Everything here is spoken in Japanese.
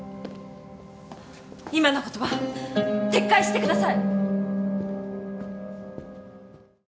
今の言葉撤回してください！